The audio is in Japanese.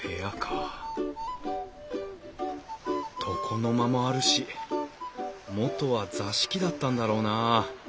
床の間もあるし元は座敷だったんだろうなあ。